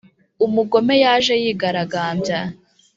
Umugome yaje yigaragambya